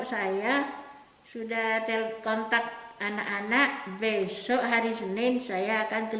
di sini it nya tidak ada hardphone nya tidak ada